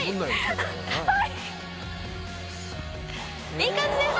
いい感じです！